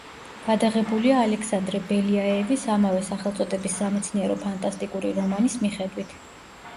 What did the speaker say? გადაღებულია ალექსანდრე ბელიაევის ამავე სახელწოდების სამეცნიერო-ფანტასტიკური რომანის მიხედვით.